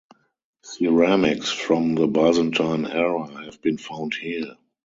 Ceramics from the Byzantine era have been found here.